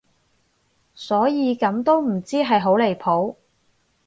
所以咁都唔知係好離譜